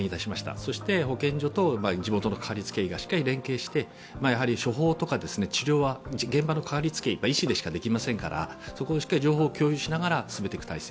そして保健所と地元のかかりつけ医がしっかり連携して、処方とか治療は現場のかかりつけ医、医師にしかできませんからそこをしっかり情報を共有しながら進めていく体制